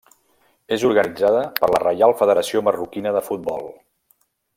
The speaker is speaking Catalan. És organitzada per la Reial Federació Marroquina de Futbol.